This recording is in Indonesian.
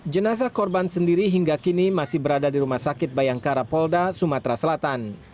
jenazah korban sendiri hingga kini masih berada di rumah sakit bayangkara polda sumatera selatan